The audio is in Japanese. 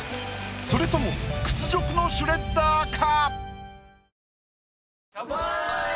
それとも屈辱のシュレッダーか？